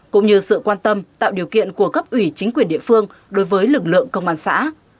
cũng như sự quan tâm tạo điều kiện của cấp ủy chính quyền địa phương đối với lực lượng công an xã